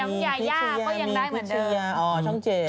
มีพิชยามีพิชยามีพิชยา